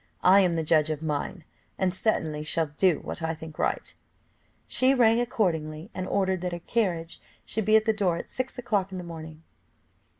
I am the judge of mine, and certainly shall do what I think right." She rang accordingly, and ordered that her carriage should be at the door at six o'clock in the morning.